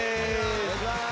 お願いします！